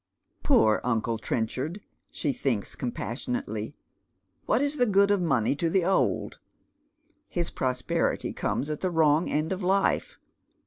" Poor uncle Trenchard," she thinks, compassionately. " Wliat is the good of money to tlie old ? llis prosperity comes at tlie wrong end of life.